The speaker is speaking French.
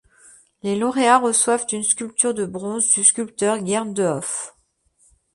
Les lauréats reçoivent une sculpture de bronze du sculpteur Gerd Dehof.